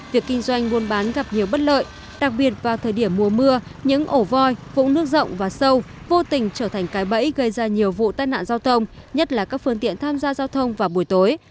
việc kinh doanh buôn bán gặp nhiều bất lợi đặc biệt vào thời điểm mùa mưa những ổ voi vũng nước rộng và sâu vô tình trở thành cái bẫy gây ra nhiều vụ tai nạn giao thông nhất là các phương tiện tham gia giao thông vào buổi tối